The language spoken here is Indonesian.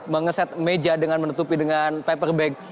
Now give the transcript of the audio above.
mengeset meja dengan menutupi dengan paper bag